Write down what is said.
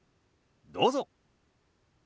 どうぞ。